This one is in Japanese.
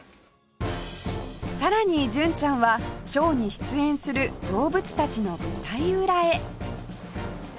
さらに純ちゃんはショーに出演する動物たちの舞台裏へ